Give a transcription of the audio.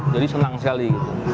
jadi senang sekali